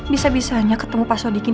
bisa bisanya ketemu pak sodikin